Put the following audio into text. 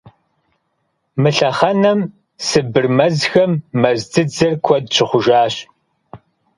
Мы лъэхъэнэм Сыбыр мэзхэм мэз дзыдзэр куэд щыхъужащ.